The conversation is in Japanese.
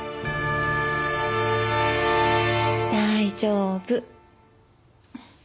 大丈夫。